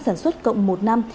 năm sản xuất cộng một năm